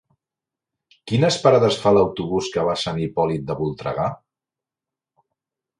Quines parades fa l'autobús que va a Sant Hipòlit de Voltregà?